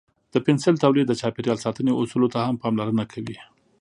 د پنسل تولید د چاپیریال ساتنې اصولو ته هم پاملرنه کوي.